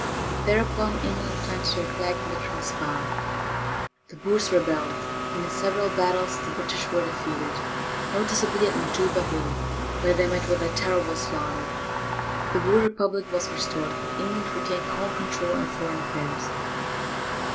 Thereupon England planted her flag in the Transvaal. The Boers rebelled, and in several battles the British were defeated, noticeably at Majuba Hill, where they met with a terrible slaughter. The Boer republic was restored, but England retained all control in foreign affairs.